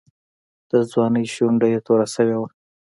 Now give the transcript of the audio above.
د ځوانۍ شونډه یې توره شوې وه.